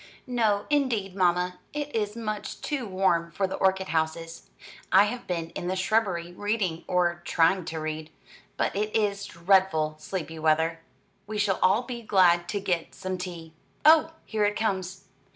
"No, indeed, mamma; it is much too warm for the orchid houses. I have been in the shrubbery reading, or trying to read, but it is dreadful sleepy weather. We shall all be glad to get some tea. Oh, here it comes."